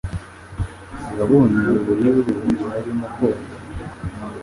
Yabonye uburibwe mugihe arimo koga.